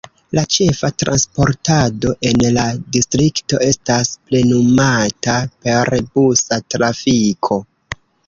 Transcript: La ĉefa transportado en la distrikto estas plenumata per busa trafiko.